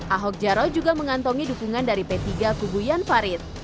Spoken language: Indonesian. ahok jarot juga mengantongi dukungan dari p tiga kuguyan farid